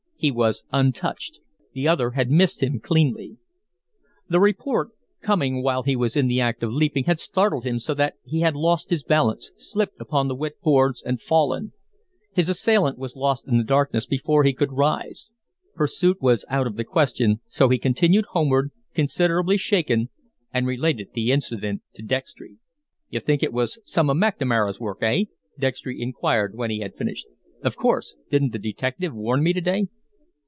He was untouched; the other had missed him cleanly. The report, coming while he was in the act of leaping, had startled him so that he had lost his balance, slipped upon the wet boards, and fallen. His assailant was lost in the darkness before he could rise. Pursuit was out of the question, so he continued homeward, considerably shaken, and related the incident to Dextry. "You think it was some of McNamara's work, eh?" Dextry inquired when he had finished. "Of course. Didn't the detective warn me to day?"